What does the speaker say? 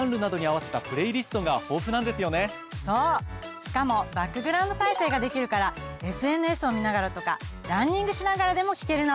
しかもバックグラウンド再生ができるからＳＮＳを見ながらとかランニングしながらでも聞けるの。